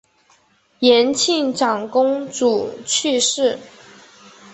延庆长公主去世。